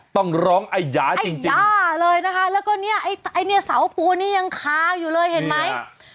ต้องร้องไอ้ยายจริงอ่าเลยนะคะแล้วก็เนี่ยไอ้เนี่ยเสาปูนี้ยังคาอยู่เลยเห็นไหม